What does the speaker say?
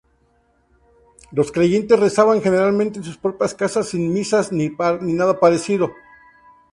Los creyentes rezaban generalmente en sus propias casas, sin misas ni nada parecido.